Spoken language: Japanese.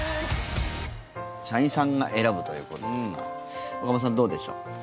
社員さんが選ぶということですが岡本さん、どうでしょう。